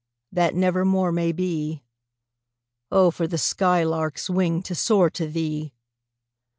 that never more may be. Oh, for the sky lark's wing to soar to thee!